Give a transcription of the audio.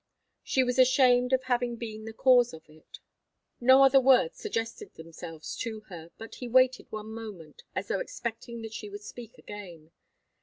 She was ashamed of having been the cause of it. No other words suggested themselves to her, but he waited one moment, as though expecting that she would speak again.